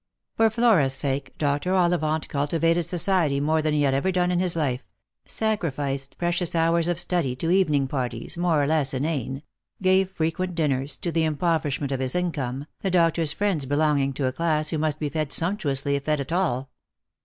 For Flora's sake Dr. Ollivant cultivated society more than he had ever done in his life ; sacrificed precious hours of study to evening parties, more or less inane ; gave frequent dinners, to the impoverishment of his income, the doctor's friends belonging to a class who must be fed sumptuously if fed at all.